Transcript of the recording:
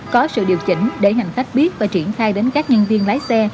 có sự điều chỉnh để hành khách biết và triển khai đến các nhân viên lái xe